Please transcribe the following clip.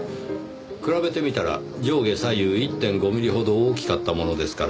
比べてみたら上下左右１．５ミリほど大きかったものですから。